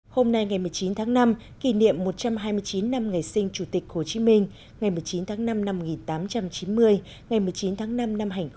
hôm nay ngày một mươi chín tháng năm kỷ niệm một trăm hai mươi chín năm ngày sinh chủ tịch hồ chí minh ngày một mươi chín tháng năm năm một nghìn tám trăm chín mươi ngày một mươi chín tháng năm năm hai nghìn hai mươi